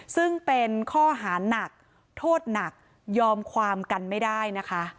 ซึ่งเป็นข้อหานักโทษหนักยอมความกันไม่ได้นะคะ